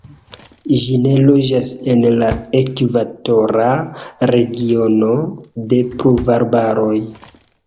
Ĝi ne loĝas en la ekvatora regiono de pluvarbaroj.